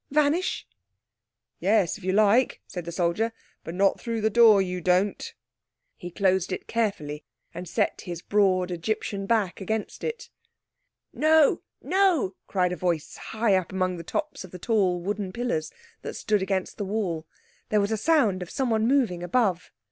Vanish?" "Yes, if you like," said the soldier; "but not through the door, you don't." He closed it carefully and set his broad Egyptian back against it. "No! no!" cried a voice high up among the tops of the tall wooden pillars that stood against the wall. There was a sound of someone moving above.